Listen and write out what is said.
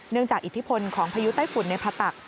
เนื่องจากอิทธิพลของพยุตไต้ฝุ่นในผตัก